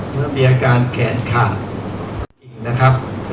เมื่อมีอาการแขนขาด